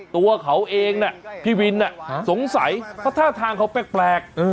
ตัวเขาเองนะพี่วินน่ะสงสัยว่าท่าทางเขาแปลก